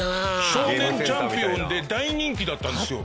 『少年チャンピオン』で大人気だったんですよ。